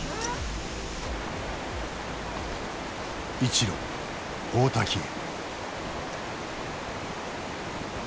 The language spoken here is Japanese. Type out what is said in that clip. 一路大滝へ。